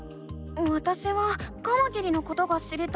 わたしはカマキリのことが知りたいの。